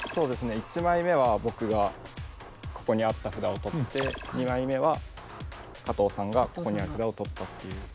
１枚目は僕がここにあった札を取って２枚目は加藤さんがここにある札を取ったという。